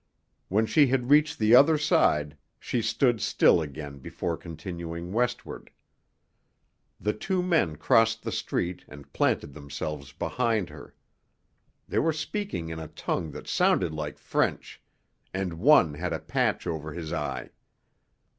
When she had reached the other side she stood still again before continuing westward. The two men crossed the street and planted themselves behind her. They were speaking in a tongue that sounded like French, and one had a patch over his eye.